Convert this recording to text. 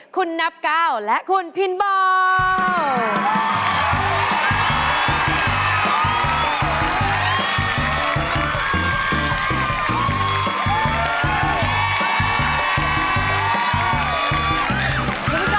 คุณนับก้าวและคุณพินบอล